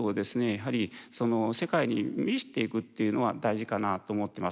やはりその世界に見せていくっていうのは大事かなと思ってます。